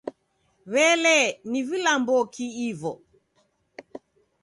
W'elee, ni vilamboki ivo?